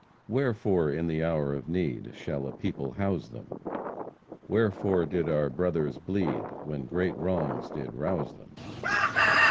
"Wherefore, in the hour of need, Shall a people house them? Wherefore did our brothers bleed, When great wrongs did rouse them?